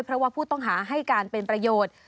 เพราะว่าผู้ต้องหาให้การเป็นประโยชน์